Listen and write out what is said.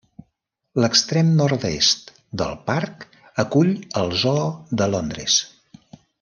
L'extrem nord-est del parc acull el zoo de Londres.